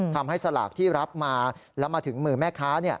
สลากที่รับมาแล้วมาถึงมือแม่ค้า